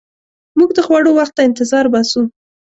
موږ د خوړو وخت ته انتظار باسو.